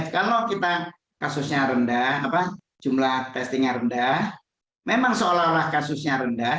kalau kita kasusnya rendah jumlah testingnya rendah memang seolah olah kasusnya rendah